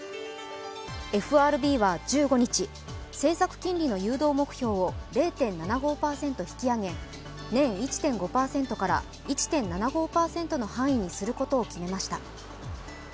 ＦＲＢは１５日、政策金利の誘導目標を０．７５％引き上げ、年１．５％から１．７５％の範囲にすることを決めました。